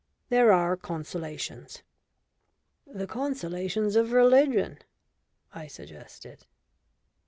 There are consolations." "The consolations of religion," I suggested.